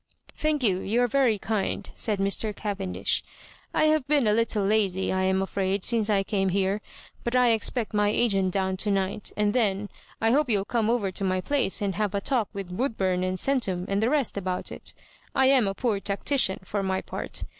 "Thank you, you are very kind," said Mr. Cavendish. "I have been a little lazy, I am afraid, since I came here; but I expect my agent down to night, and then, I hope you'll come over to my place and have a talk with Woodbum and Centum and the rest about it. I am a poor tactician, for my part.